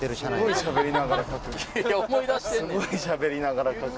すごいしゃべりながら書く。